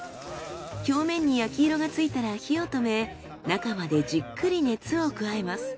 表面に焼き色がついたら火を止め中までじっくり熱を加えます。